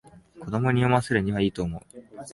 子供に読ませるにはいいと思う